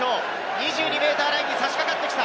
２２ｍラインに差し掛かってきた。